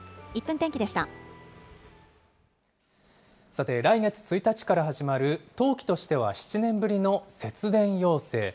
さて、来月１日から始まる、冬季としては７年ぶりの節電要請。